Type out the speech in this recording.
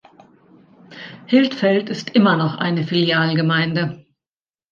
Hildfeld ist immer noch eine Filialgemeinde.